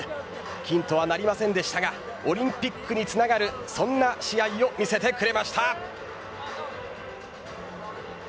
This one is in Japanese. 金とはなりませんでしたがオリンピックにつながるそんな試合を見せてくれました。